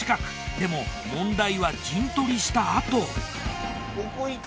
でも問題は陣取りしたあと。